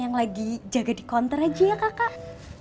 yang lagi jaga di konter aja ya kakak